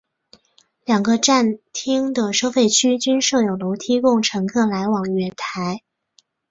两个站厅的收费区均设有楼梯供乘客来往月台。